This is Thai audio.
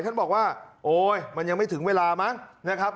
ท่านบอกว่าโอ๊ยมันยังไม่ถึงเวลามั้งนะครับ